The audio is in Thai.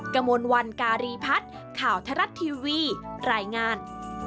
กระมวลวันการีพัฒน์ข่าวทรัฐทีวีรายงาน